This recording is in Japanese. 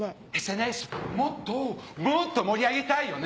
もっともっと盛り上げたいよね！